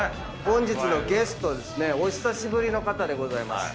本日のゲストですねお久しぶりの方でございます。